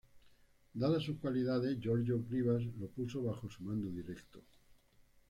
Dadas sus cualidades, Georgios Grivas lo puso bajo su mando directo.